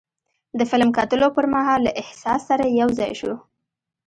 د فلم کتلو پر مهال له احساس سره یو ځای شو.